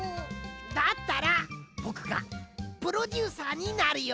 だったらぼくがプロデューサーになるよ！